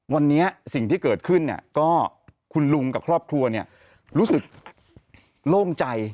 วันนี้สิ่งที่เกิดขึ้นเนี่ยก็คุณลุงกับครอบครัวรู้สึกโล่งใจ